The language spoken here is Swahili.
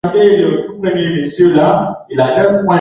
alikiambia kipindi cha Zingatia cha Sudan kusini cha sauti ya Amerika